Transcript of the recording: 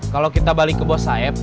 kalau kita balik ke bos saib